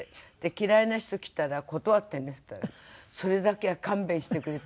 「嫌いな人来たら断ってね」って言ったら「それだけは勘弁してくれ」と。